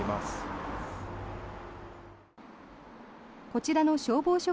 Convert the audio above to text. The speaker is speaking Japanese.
こちらの消防署